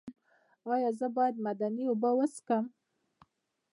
ایا زه باید معدني اوبه وڅښم؟